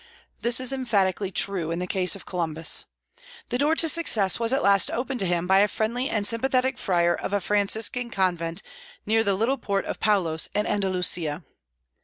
This is emphatically true in the case of Columbus. The door to success was at last opened to him by a friendly and sympathetic friar of a Franciscan convent near the little port of Palos, in Andalusia.